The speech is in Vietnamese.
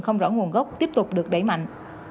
không rõ nguồn gốc tiếp tục được đẩy mạnh